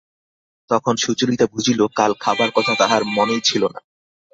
তখন সুচরিতা বুঝিল, কাল খাবার কথা তাহার মনেই ছিল না।